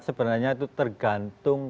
sebenarnya itu tergantung